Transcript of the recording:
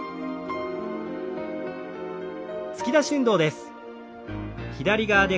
突き出し運動です。